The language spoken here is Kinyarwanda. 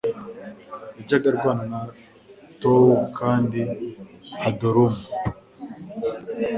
yajyaga arwana na Towu Kandi Hadoramu